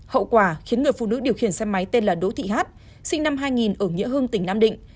hậu quả khiến người phụ nữ điều khiển xe máy tên là đỗ thị hát sinh năm hai nghìn ở nghĩa hưng tỉnh nam định